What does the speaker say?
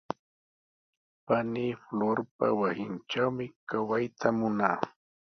Panii Florpa wasintrawmi kawayta munaa.